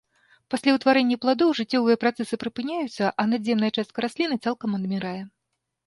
Пасля ўтварэння пладоў жыццёвыя працэсы прыпыняюцца, а надземная частка расліны цалкам адмірае.